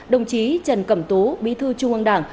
đồng chí trần cẩm tú bí thư trung ương đảng